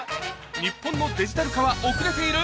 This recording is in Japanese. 日本のデジタル化は遅れている？